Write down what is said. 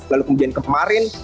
lalu kemudian kemarin